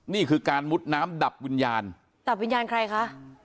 นี่คือการมุดน้ำดับวิญญาณดับวิญญาณใครคะ